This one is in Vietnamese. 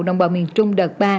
đồng bào miền trung đợt ba